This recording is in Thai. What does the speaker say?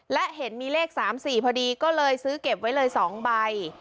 และเห็นมีเลข๓๔พอดีก็เลยซื้อเก็บไว้เลย๒ใบ